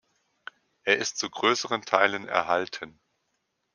Er ist zu größeren Teilen erhalten.